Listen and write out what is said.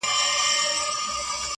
په بې صبری معشوقې چا میندلي دینه.